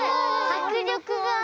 迫力が！